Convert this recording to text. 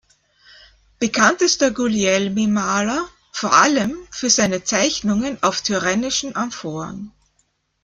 Bekannt ist der Guglielmi-Maler vor allem für seine Zeichnungen auf Tyrrhenischen Amphoren.